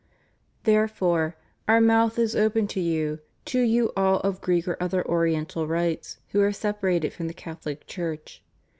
Therefore, Our mouth is open to you, to you all of Greek or other Oriental rites who are separated from the Catholic Church.